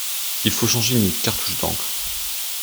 Il faut changer une cartouche d'encre.